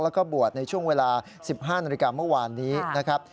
แล้วก็บวชในช่วงเวลา๑๕นาฬิกาเมื่อวานนี้นะครับ